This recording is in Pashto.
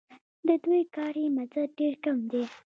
د دوی کاري مزد ډېر کم دی